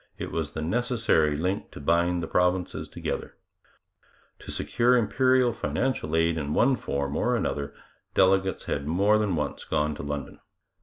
It was the necessary link to bind the provinces together. To secure Imperial financial aid in one form or another delegates had more than once gone to London.